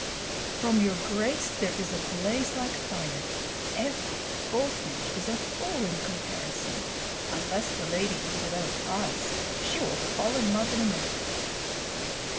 "From your grace there is a blaze like fire. Every bulfinch is a fool in comparison! Unless the lady is without eyes, she will fall in love in a minute."